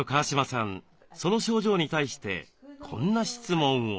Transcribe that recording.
その症状に対してこんな質問を。